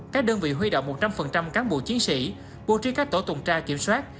các đơn vị huy động một trăm linh cán bộ chiến sĩ bố trí các tổ tuần tra kiểm soát